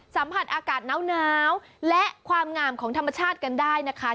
สัมผัสอากาศน้าวและความงามของธรรมชาติกันได้นะคะ